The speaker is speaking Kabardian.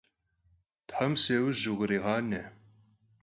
Them si yauj vukhriğane!